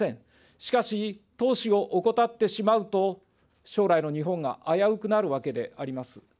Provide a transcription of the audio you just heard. しかし、投資を怠ってしまいますと、将来の日本が危うくなるわけであります。